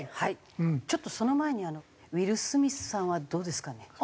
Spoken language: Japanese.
ちょっとその前にあのウィル・スミスさんはどうですかね。